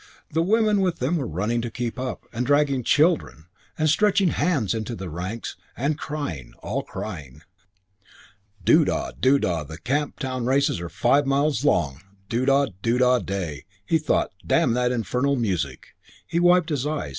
The women with them were running to keep up, and dragging children, and stretching hands into the ranks, and crying all crying. ...Doo da! Doo da! The Camp Town races are five miles long, Doo da! Doo da! Day! He thought, "Damn that infernal music." He wiped his eyes.